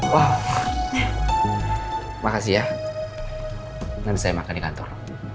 wah makasih ya dan saya makan di kantor